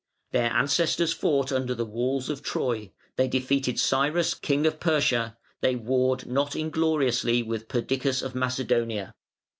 Their ancestors fought under the walls of Troy; they defeated Cyrus, King of Persia; they warred not ingloriously with Perdiccas of Macedonia".